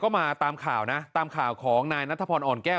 ก็มาตามข่าวนะตามข่าวของนายนัทพรอ่อนแก้ว